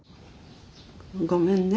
ごめんね。